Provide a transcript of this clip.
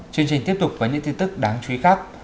chương trình tiếp tục với những tin tức đáng chú ý khác